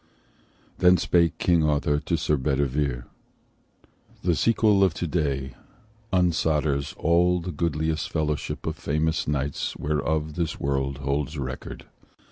Then spake King Arthur to Sir Bedivere: "The sequel of today unsolders all The goodliest fellowship of famous knights Whereof this world holds record.